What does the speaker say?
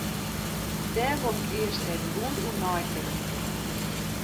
Dêr wol ik earst even goed oer neitinke.